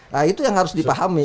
nah itu yang harus dipahami